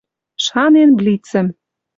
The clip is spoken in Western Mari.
Шанен блицӹм